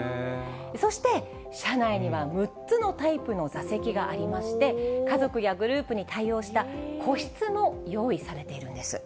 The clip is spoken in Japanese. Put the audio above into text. そして、車内には６つのタイプの座席がありまして、家族やグループに対応した個室も用意されているんです。